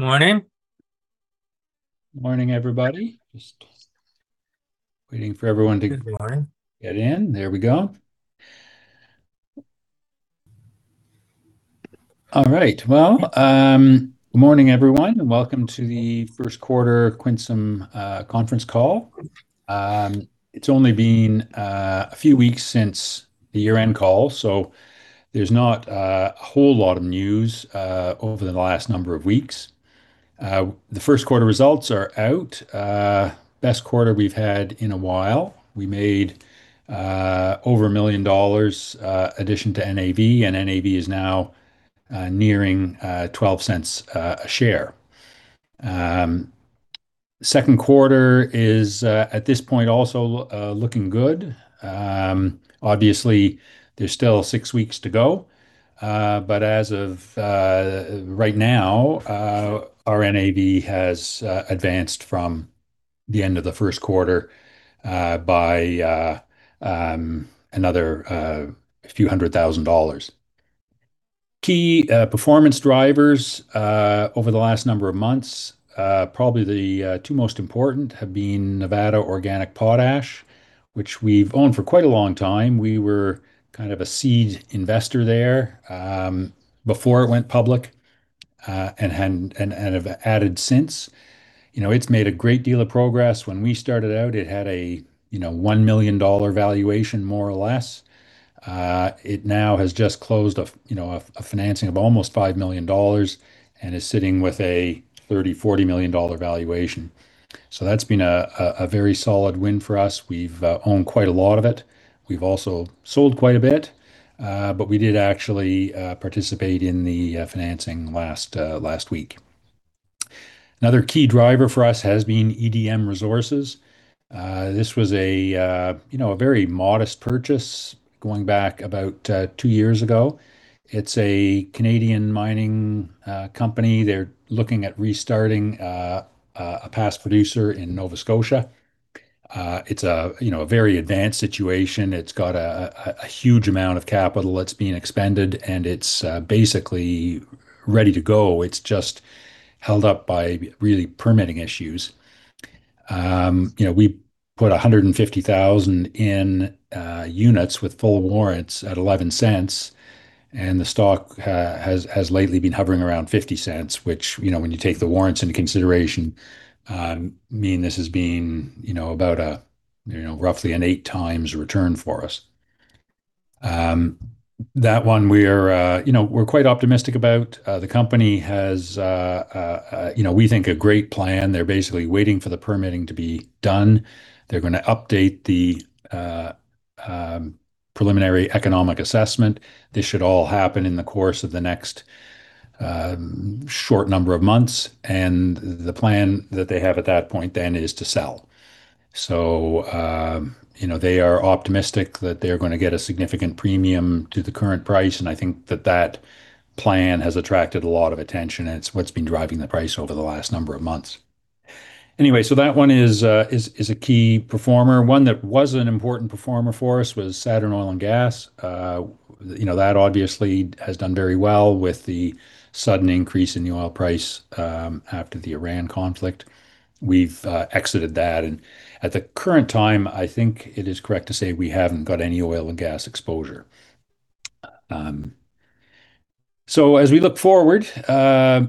Morning. Morning, everybody. Just waiting for everyone. Good morning. Get in. There we go. All right. Well, good morning everyone. Welcome to the first quarter Quinsam conference call. It's only been a few weeks since the year-end call, so there's not a whole lot of news over the last number of weeks. The first quarter results are out. Best quarter we've had in a while. We made over 1 million dollars addition to NAV, and NAV is now nearing 0.12 a share. Second quarter is, at this point, also looking good. Obviously, there's still six weeks to go. As of right now, our NAV has advanced from the end of the first quarter by another few hundred thousand CAD. Key performance drivers over the last number of months, probably the two most important have been Nevada Organic Phosphate Inc., which we've owned for quite a long time. We were a seed investor there before it went public and have added since. It's made a great deal of progress. When we started out, it had a 1 million dollar valuation, more or less. It now has just closed a financing of almost 5 million dollars and is sitting with a 30 million, 40 million dollar valuation. That's been a very solid win for us. We've owned quite a lot of it. We've also sold quite a bit. We did actually participate in the financing last week. Another key driver for us has been EDM Resources. This was a very modest purchase going back about two years ago. It's a Canadian mining company. They're looking at restarting a past producer in Nova Scotia. It's a very advanced situation. It's got a huge amount of capital that's being expended, and it's basically ready to go. It's just held up by really permitting issues. We put 150,000 in units with full warrants at 0.11, and the stock has lately been hovering around 0.50, which when you take the warrants into consideration, mean this has been about roughly an eight times return for us. That one we're quite optimistic about. The company has, we think, a great plan. They're basically waiting for the permitting to be done. They're going to update the preliminary economic assessment. This should all happen in the course of the next short number of months, and the plan that they have at that point then is to sell. They are optimistic that they're going to get a significant premium to the current price, and I think that that plan has attracted a lot of attention and it's what's been driving the price over the last number of months. That one is a key performer. One that wasn't an important performer for us was Saturn Oil & Gas. That obviously has done very well with the sudden increase in the oil price after the Iran conflict. We've exited that, and at the current time, I think it is correct to say we haven't got any oil and gas exposure. As we look forward,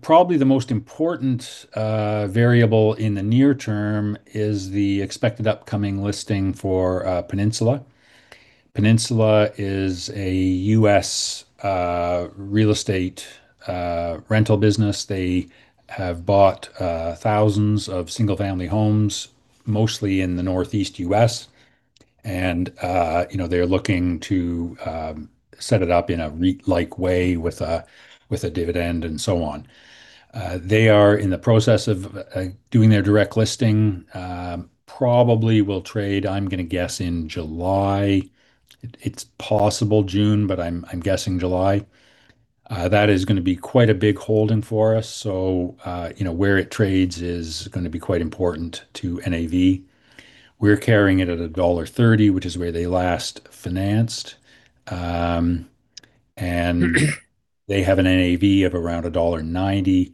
probably the most important variable in the near term is the expected upcoming listing for Peninsula. Peninsula is a U.S. real estate rental business. They have bought thousands of single-family homes, mostly in the Northeast U.S., and they're looking to set it up in a REIT-like way with a dividend and so on. They are in the process of doing their direct listing. Probably will trade, I'm going to guess, in July. It's possible June, but I'm guessing July. That is going to be quite a big holding for us, where it trades is going to be quite important to NAV. We're carrying it at a $1.30, which is where they last financed. They have an NAV of around $1.90,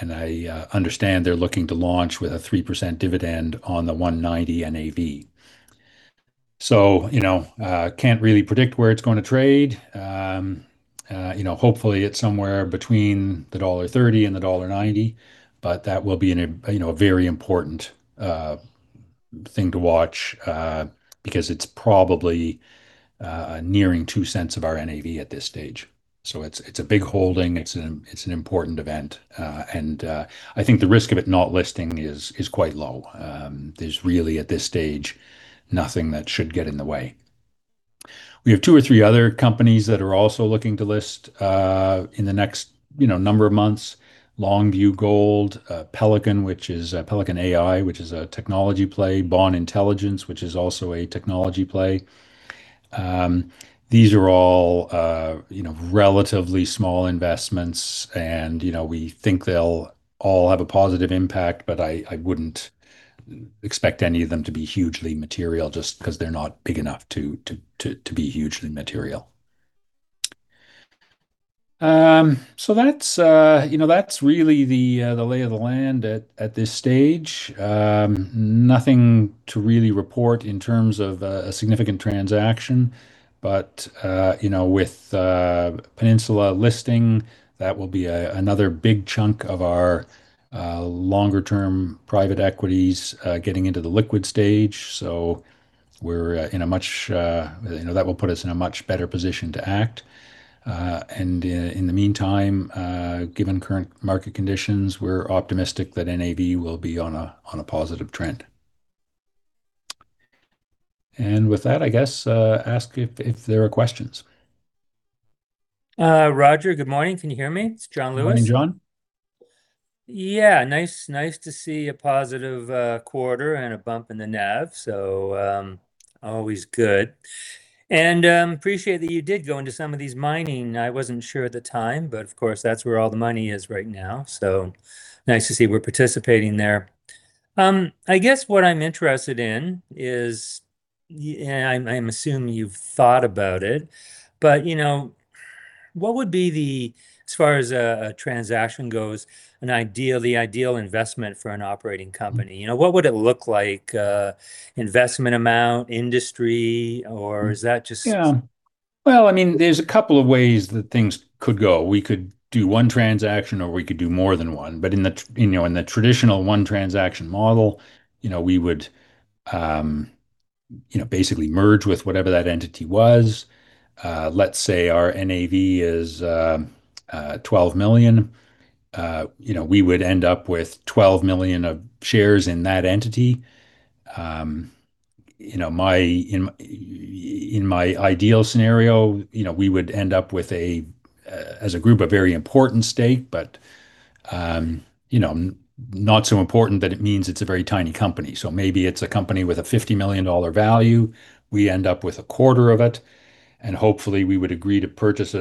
and I understand they're looking to launch with a 3% dividend on the $1.90 NAV. Can't really predict where it's going to trade. Hopefully, it's somewhere between the $1.30 and the $1.90, but that will be a very important thing to watch, because it's probably nearing $0.02 of our NAV at this stage. It's a big holding, it's an important event. I think the risk of it not listing is quite low. There's really, at this stage, nothing that should get in the way. We have two or three other companies that are also looking to list in the next number of months. Longview Gold. Pelican AI, which is a technology play. Bond Intelligence, which is also a technology play. These are all relatively small investments, and we think they'll all have a positive impact, but I wouldn't expect any of them to be hugely material just because they're not big enough to be hugely material. That's really the lay of the land at this stage. Nothing to really report in terms of a significant transaction. With Peninsula listing, that will be another big chunk of our longer-term private equities getting into the liquid stage. That will put us in a much better position to act. In the meantime, given current market conditions, we're optimistic that NAV will be on a positive trend. With that, I guess ask if there are questions. Roger, good morning. Can you hear me? It's John Lewis. Morning, John. Yeah. Nice to see a positive quarter and a bump in the NAV. Always good. Appreciate that you did go into some of these mining. I wasn't sure at the time, of course that's where all the money is right now. Nice to see we're participating there. I guess what I'm interested in is, I'm assuming you've thought about it, what would be the, as far as a transaction goes, the ideal investment for an operating company? What would it look like, investment amount, industry, is that? Yeah. Well, there's a couple of ways that things could go. We could do one transaction or we could do more than one. In the traditional one transaction model, we would basically merge with whatever that entity was. Let's say our NAV is 12 million. We would end up with 12 million of shares in that entity. In my ideal scenario, we would end up with, as a group, a very important stake, but not so important that it means it's a very tiny company. Maybe it's a company with a 50 million dollar value. We end up with a quarter of it, and hopefully we would agree to purchase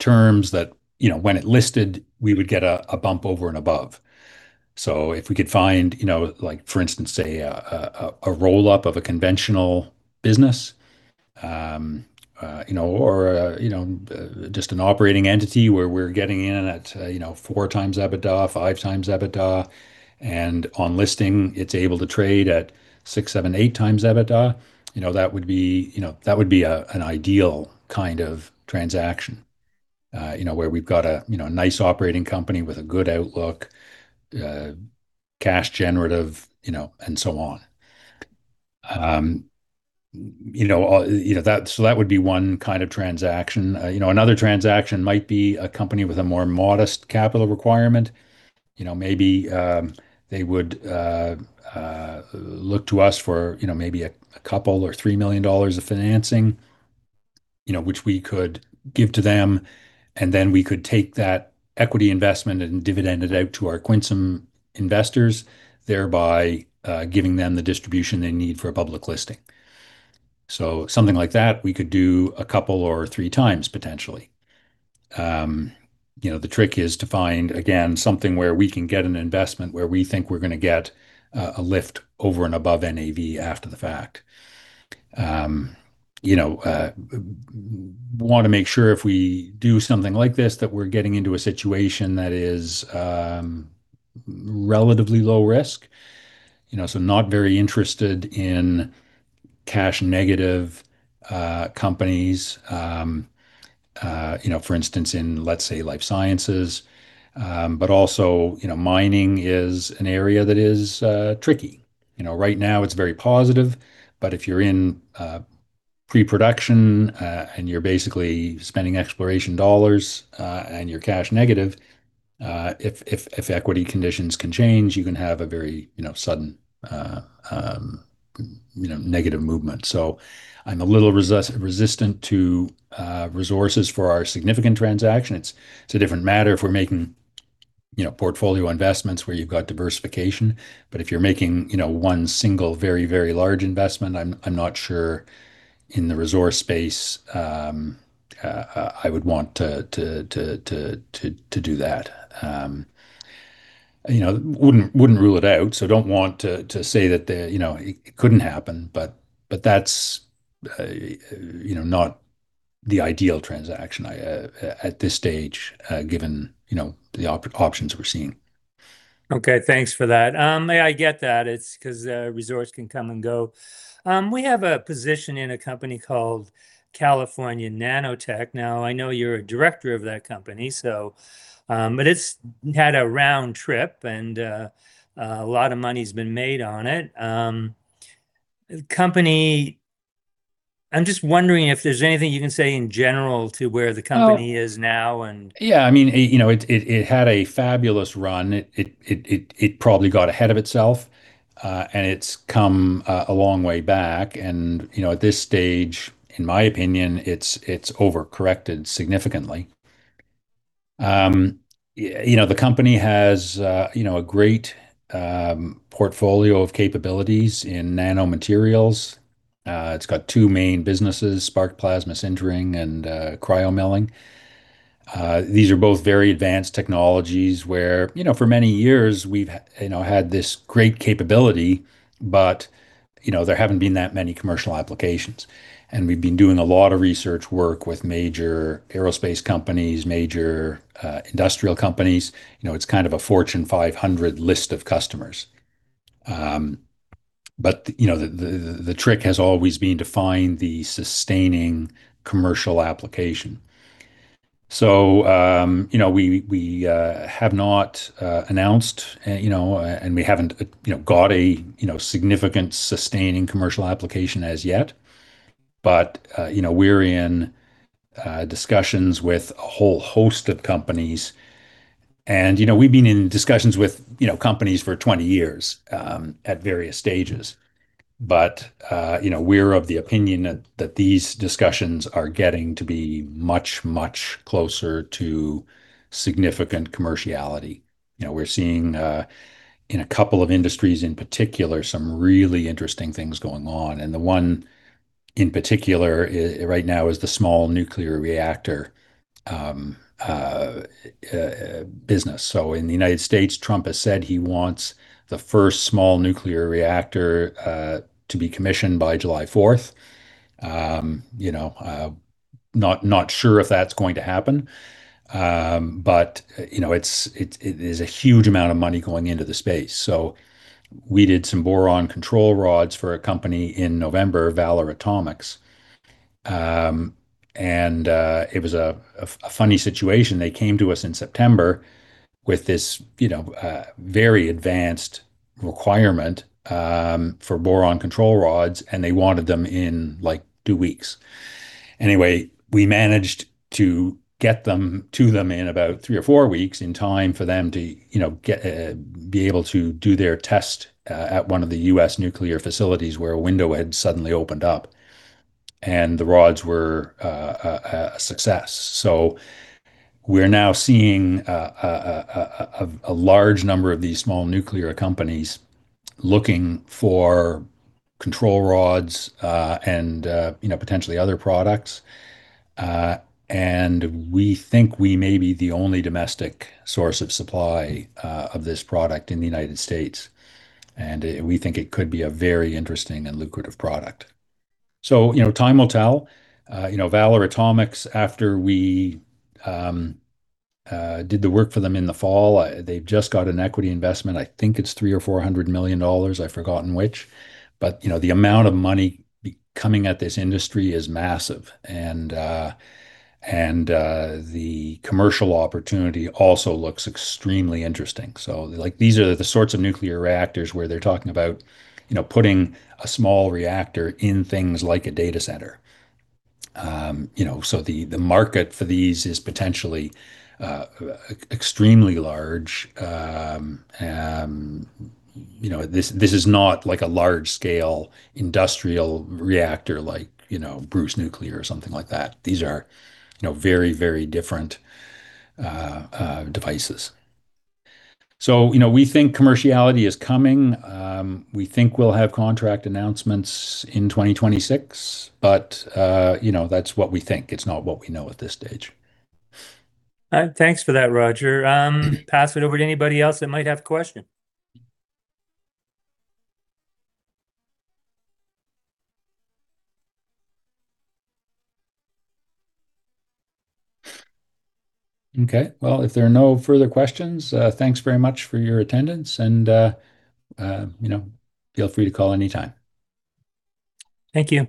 it on terms that when it listed, we would get a bump over and above. If we could find, for instance, say a roll-up of a conventional business, or just an operating entity where we're getting in at four times EBITDA, five times EBITDA, and on listing it's able to trade at six, seven, eight times EBITDA, that would be an ideal kind of transaction. Where we've got a nice operating company with a good outlook, cash generative, and so on. That would be one kind of transaction. Another transaction might be a company with a more modest capital requirement. Maybe they would look to us for maybe a couple or 3 million dollars of financing, which we could give to them, and then we could take that equity investment and dividend it out to our Quinsam investors, thereby giving them the distribution they need for a public listing. Something like that we could do a couple or three times potentially. The trick is to find, again, something where we can get an investment where we think we're going to get a lift over and above NAV after the fact. We want to make sure if we do something like this, that we're getting into a situation that is relatively low risk. Not very interested in cash negative companies, for instance, in let's say life sciences. Also, mining is an area that is tricky. Right now it's very positive, but if you're in pre-production, and you're basically spending exploration dollars, and you're cash negative, if equity conditions can change, you can have a very sudden negative movement. I'm a little resistant to resources for our significant transaction. It's a different matter if we're making portfolio investments where you've got diversification. If you're making one single very large investment, I'm not sure in the resource space I would want to do that. Wouldn't rule it out, so don't want to say that it couldn't happen. That's not the ideal transaction at this stage, given the options we're seeing. Okay, thanks for that. I get that. It's because resource can come and go. We have a position in a company called California Nanotech. I know you're a director of that company. It's had a round trip, and a lot of money's been made on it. I'm just wondering if there's anything you can say in general to where the company is now. Yeah. It had a fabulous run. It probably got ahead of itself, and it's come a long way back. At this stage, in my opinion, it's over-corrected significantly. The company has a great portfolio of capabilities in nanomaterials. It's got two main businesses, Spark Plasma Sintering and cryo-milling. These are both very advanced technologies where for many years we've had this great capability, but there haven't been that many commercial applications. We've been doing a lot of research work with major aerospace companies, major industrial companies. It's a Fortune 500 list of customers. The trick has always been to find the sustaining commercial application. We have not announced, and we haven't got a significant sustaining commercial application as yet. We're in discussions with a whole host of companies, and we've been in discussions with companies for 20 years at various stages. We're of the opinion that these discussions are getting to be much, much closer to significant commerciality. We're seeing, in a couple of industries in particular, some really interesting things going on. The one in particular right now is the small nuclear reactor business. In the U.S., Trump has said he wants the first small nuclear reactor to be commissioned by July 4th. Not sure if that's going to happen, but it is a huge amount of money going into the space. We did some boron control rods for a company in November, Valar Atomics. It was a funny situation. They came to us in September with this very advanced requirement for boron control rods, and they wanted them in two weeks. Anyway, we managed to get them to them in about three or four weeks in time for them to be able to do their test at one of the U.S. nuclear facilities where a window had suddenly opened up, and the rods were a success. We're now seeing a large number of these small nuclear companies looking for control rods and potentially other products. We think we may be the only domestic source of supply of this product in the United States, and we think it could be a very interesting and lucrative product. Time will tell. Valar Atomics, after we did the work for them in the fall, they've just got an equity investment. I think it's 300 million or 400 million dollars, I've forgotten which. The amount of money coming at this industry is massive, and the commercial opportunity also looks extremely interesting. These are the sorts of nuclear reactors where they're talking about putting a small reactor in things like a data center. The market for these is potentially extremely large. This is not a large-scale industrial reactor like Bruce Nuclear or something like that. These are very different devices. We think commerciality is coming. We think we'll have contract announcements in 2026. That's what we think. It's not what we know at this stage. Thanks for that, Roger. Pass it over to anybody else that might have a question. Okay. Well, if there are no further questions, thanks very much for your attendance, and feel free to call anytime. Thank you.